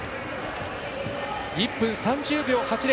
１分３０秒８０。